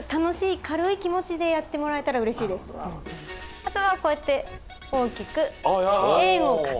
あとはこうやっておおきくえんをかく。